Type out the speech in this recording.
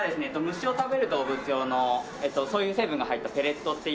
虫を食べる動物用のそういう成分が入ったペレットっていう。